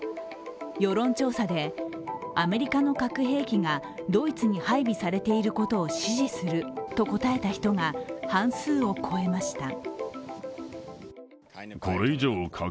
世論調査で、アメリカの核兵器がドイツに配備されていることを支持すると答えた人が半数を超えました。